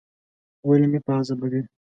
ولي مې په عذابوې ؟